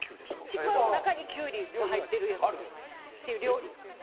ちくわの中にキュウリが入ってるやつっていう料理。